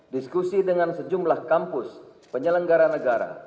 diskusi dengan sejumlah kampus penyelenggara negara